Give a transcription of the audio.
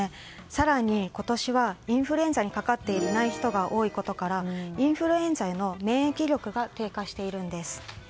更に今年はインフルエンザにかかっていない人が多いことからインフルエンザへの免疫力が低下しているんです。